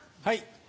はい。